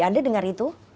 anda dengar itu